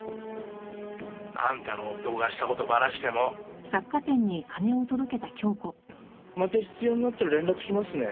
「あんたの夫がした事バラしても」また必要になったら連絡しますね。